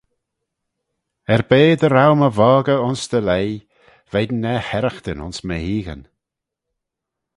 Er-be dy row my voggey ayns dty leigh: veign er herraghtyn ayns my heaghyn.